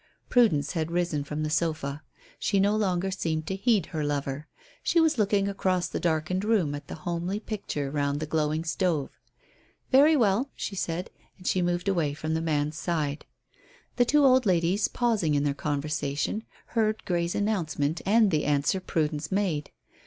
Prudence had risen from the sofa. She no longer seemed to heed her lover. She was looking across the darkened room at the homely picture round the glowing stove. "Very well," she said. And she moved away from the man's side. The two old ladies pausing in their conversation heard Grey's announcement and the answer Prudence made.